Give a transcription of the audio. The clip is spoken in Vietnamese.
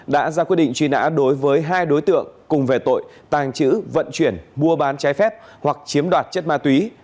đã ra quyết định truy nã đối với hai đối tượng cùng về tội tàng trữ vận chuyển mua bán trái phép hoặc chiếm đoạt chất ma túy